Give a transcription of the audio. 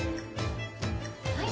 はい。